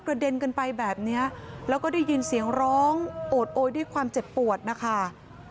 เด็นกันไปแบบนี้แล้วก็ได้ยินเสียงร้องโอดโอยด้วยความเจ็บปวดนะคะ